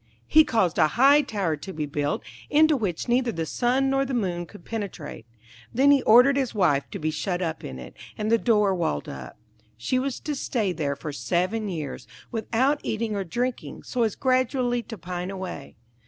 He caused a high tower to be built, into which neither the sun nor the moon could penetrate. Then he ordered his wife to be shut up in it, and the door walled up. She was to stay there for seven years, without eating or drinking, so as gradually to pine away.